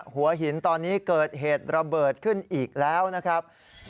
หัวหินตอนนี้เกิดเหตุระเบิดขึ้นอีกแล้วนะครับ